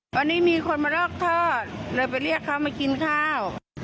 ตอนนี้มีคนมาลอกทอดเลยไปเรียกเขามากินข้าว